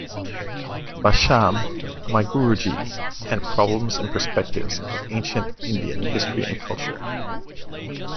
Basham, My Guruji and Problems and Perspectives of Ancient Indian History and Culture.